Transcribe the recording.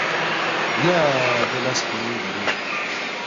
یا دے لس پو ن٘رِینگ یود